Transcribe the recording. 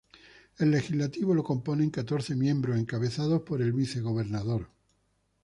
El legislativo lo compone catorce miembros, encabezados por el vice gobernador.